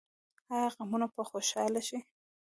آیا غمونه به خوشحالي شي؟